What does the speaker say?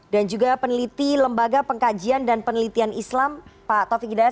dan juga peneliti lembaga pengkajian dan penelitian islam pak taufik gidayat